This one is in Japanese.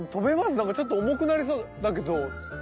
なんかちょっと重くなりそうだけど。